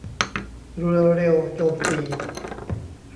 เรือเร็วโจมตี